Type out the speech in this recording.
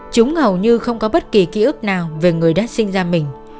chúng hầu như không có bất kỳ ký ức nào về người đã sinh ra mình